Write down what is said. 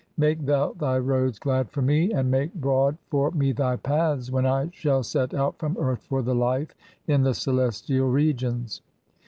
Make thou thy roads glad for me, and make broad for "me thy paths (n) when I shall set out from earth for the life "in the celestial regions.